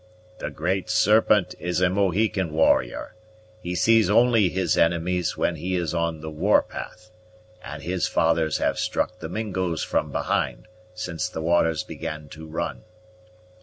"The Great Serpent is a Mohican warrior he sees only his enemies when he is on the war path, and his fathers have struck the Mingos from behind, since the waters began to run."